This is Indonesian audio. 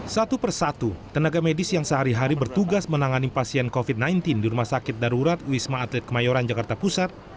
satu persatu tenaga medis yang sehari hari bertugas menangani pasien covid sembilan belas di rumah sakit darurat wisma atlet kemayoran jakarta pusat